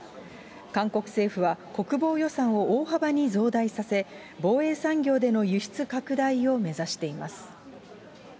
韓国政府は国防予算を大幅に増大させ、防衛産業での輸出拡大を目指しています。